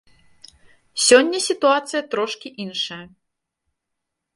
Сёння сітуацыя трошкі іншая.